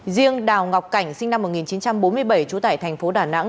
riêng đào ngọc cảnh sinh năm một nghìn chín trăm bốn mươi bảy trú tại thành phố đà nẵng